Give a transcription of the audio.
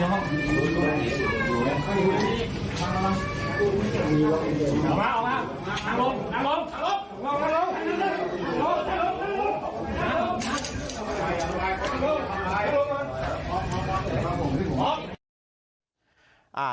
นำลงนำลง